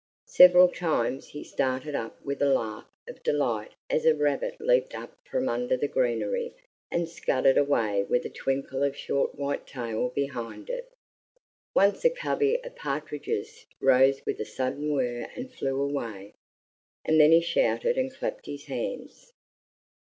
Several times he started up with a laugh of delight as a rabbit leaped up from under the greenery and scudded away with a twinkle of short white tail behind it. Once a covey of partridges rose with a sudden whir and flew away, and then he shouted and clapped his hands.